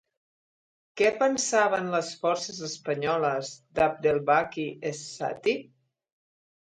Què pensaven les forces espanyoles d'Abdelbaki es-Satti?